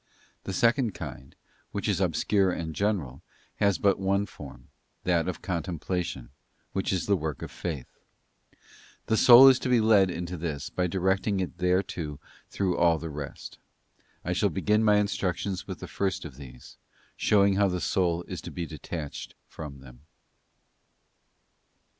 The second kind, which is obscure and general, has but one form, that of contemplation, which is the work of faith. The soul is to be led into this by directing it thereto through all the rest. I shall begin my instructions with the first of these, showing how the soul is to be detached from them.